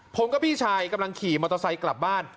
ผมกับพี่ชายกำลังขี่มอเตอร์ไซค์กลับบ้าน